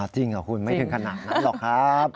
จริงเหรอคุณไม่ถึงขนาดนั้นหรอกครับ